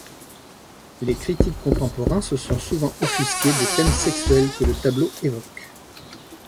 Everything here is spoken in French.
Les critiques contemporains se sont souvent offusqué des thèmes sexuels que le tableau évoque.